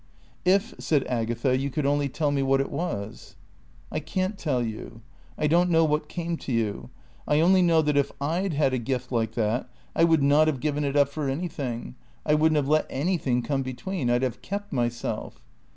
"If," said Agatha, "you could only tell me what it was." "I can't tell you. I don't know what came to you. I only know that if I'd had a gift like that, I would not have given it up for anything. I wouldn't have let anything come between. I'd have kept myself